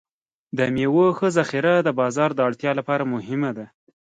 د میوو ښه ذخیره د بازار د اړتیا لپاره مهمه ده.